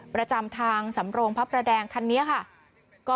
ประจำทางสำโรงพระประแดงคันนี้ค่ะ